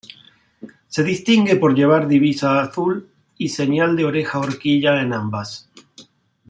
Se distingue por llevar divisa azul, y señal de oreja horquilla en ambas.